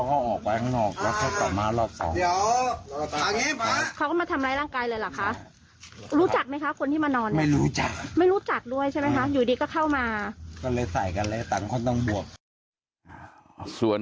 นะก็ต้องสอบสวนกันว่าเออเข้ามาในสำนักปฏิบัติทำแล้วมาทำร้ายพระเขาเนี่ยมันยังไงกัน